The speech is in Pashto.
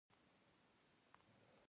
تنور د تودو نانو بوی ورکوي